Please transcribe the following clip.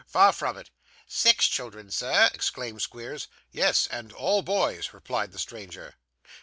Far from it.' 'Six children, sir?' exclaimed Squeers. 'Yes, and all boys,' replied the stranger.